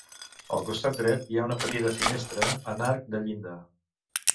Al costat dret, hi ha una petita finestra en arc de llinda.